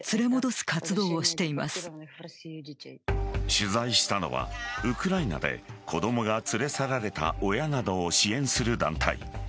取材したのはウクライナで子供が連れ去られた親などを支援する団体。